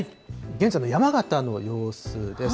現在の山形の様子です。